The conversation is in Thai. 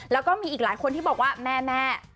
แล้วก็มีอีกหลายคนที่บอกว่าแม่